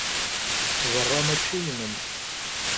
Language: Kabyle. Berra mačči inem.